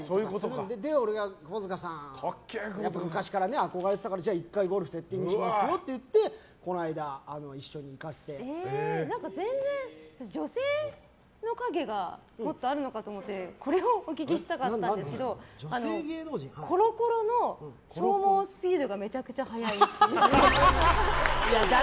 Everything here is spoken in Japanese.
それで、俺も窪塚さんは昔から憧れてたから１回、ゴルフセッティングしますよって言って全然、女性の影がもっとあるのかと思って、これをお聞きしたかったんですけどコロコロの消耗スピードがめちゃくちゃ速いっぽい。